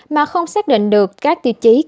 mà không xác định được các tiêu chí kinh tế